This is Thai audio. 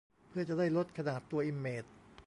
เพื่อจะได้ลดขนาดตัวอิมเมจ